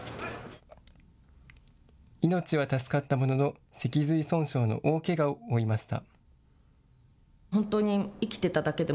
命は助かったものの脊髄損傷の大けがを負いました。